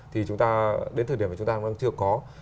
thì chúng ta đến thời điểm mà chúng ta vẫn chưa có